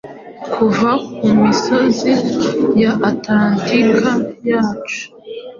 Kuva kumisozi ya Atalantika guca